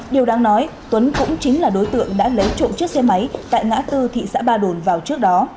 điều đáng nói tuấn cũng chính là đối tượng đã lấy trộm chiếc xe máy tại ngã tư thị xã ba đồn vào trước đó